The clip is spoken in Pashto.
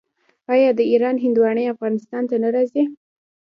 آیا د ایران هندواڼې افغانستان ته نه راځي؟